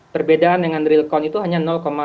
perbedaan dengan real count itu hanya dua belas